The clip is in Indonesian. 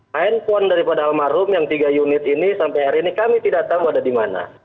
handphone daripada almarhum yang tiga unit ini sampai hari ini kami tidak tahu ada di mana